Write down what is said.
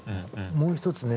もう一つね